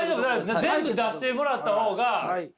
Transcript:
全部出してもらった方が！